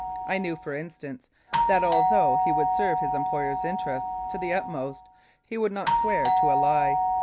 I knew, for instance, that, although he would serve his employer's interests to the utmost, he would not swear to a lie.